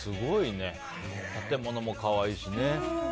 建物も可愛いしね。